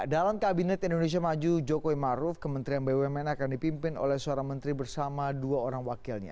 dalam kabinet indonesia maju jokowi maruf kementerian bumn akan dipimpin oleh seorang menteri bersama dua orang wakilnya